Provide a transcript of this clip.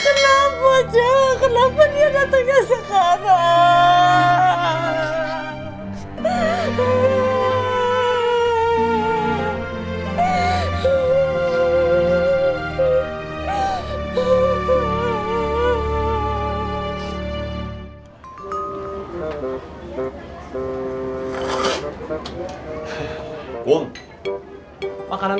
kenapa cek kenapa dia datangnya sekarang